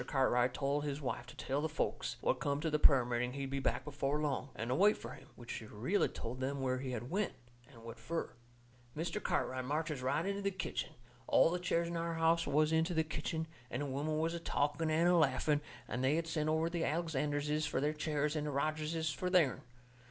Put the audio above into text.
Cartwright told his wife to tell the folks what come to the prayer meeting he'd be back before long, and to wait fur him. Which she really told them where he had went, and what fur. Mr. Cartwright marches right into the kitchen. All the chairs in our house was into the kitchen, and the women was a talking and a laughing, and they had sent over to Alexanderses for their chairs and to Rogerses for theirn.